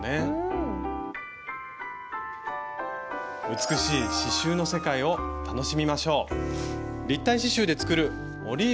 美しい刺しゅうの世界を楽しみましょう！